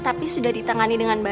tapi sudah ditangani dengan baik